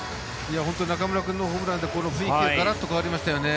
中村君のホームランで雰囲気がガラッと変わりましたよね。